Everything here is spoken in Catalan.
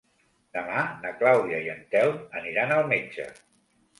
Demà na Clàudia i en Telm aniran al metge.